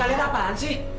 kalian apaan sih